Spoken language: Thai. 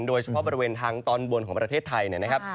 โดยเฉพาะบริเวณทางตอนบนของประเทศไทยนะครับ